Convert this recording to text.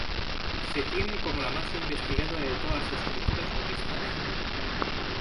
Se tiene como la más investigada de todas las escrituras budistas.